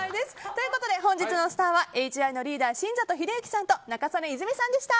ということで本日のスターはＨＹのリーダー新里英之さんと仲宗根泉さんでした。